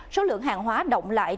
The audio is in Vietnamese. số lượng hàng hóa động lại